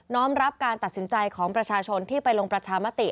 รับการตัดสินใจของประชาชนที่ไปลงประชามติ